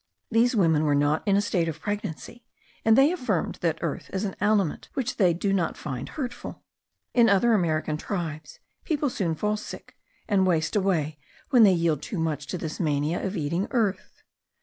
These women were not in a state of pregnancy; and they affirmed that earth is an aliment which they do not find hurtful. In other American tribes, people soon fall sick, and waste away, when they yield too much to this mania of eating earth.